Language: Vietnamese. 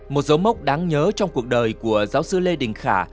một dấu mốc đáng nhớ trong cuộc đời của giáo sư lê đình khả